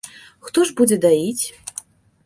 Хто ж будзе даіць?